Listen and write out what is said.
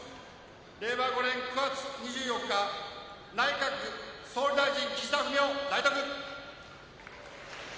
令和５年９月２４日内閣総理大臣岸田文雄代読